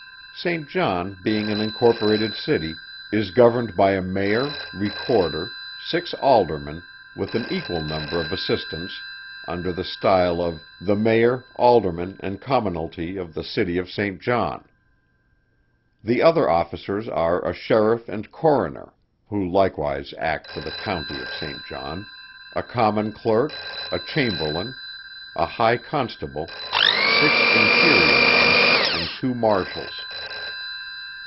Saint John being an incorporated City, is governed by a Mayor, Recorder, six Aldermen, with an equal number of Assistants, under the style of "The Mayor, Aldermen, and Commonalty of the City of St. John." The other officers are a Sheriff and Coroner (who likewise act for the County of St. John) a Common Clerk, a Chamberlain, a High Constable, six inferior ones, and two Marshals.